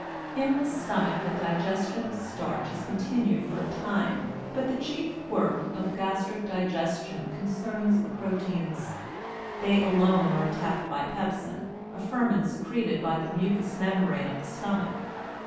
In the stomach the digestion of starch is continued for a time, but the chief work of gastric digestion concerns the proteins. They alone are attacked by pepsin, a ferment secreted by the mucous membrane of the stomach.